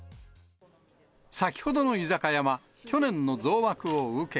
先ほどの居酒屋は、去年の増枠を受け。